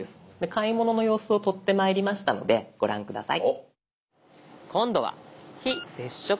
買い物の様子を撮ってまいりましたのでご覧下さい。